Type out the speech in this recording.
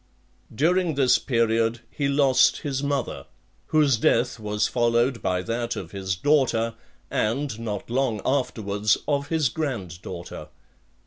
XXVI. During this period he lost his mother , whose death was followed by that of his daughter , and, not long afterwards, of his granddaughter.